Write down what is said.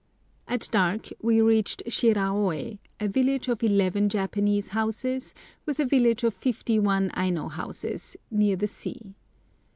At dark we reached Shiraôi, a village of eleven Japanese houses, with a village of fifty one Aino houses, near the sea.